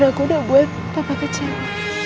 karena aku udah buat papa kecewa